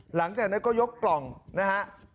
หลังจากนั้นก็ยกกล่องนะฮะ